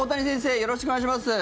よろしくお願います。